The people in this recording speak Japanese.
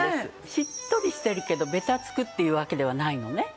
しっとりしてるけどベタつくっていうわけではないのね。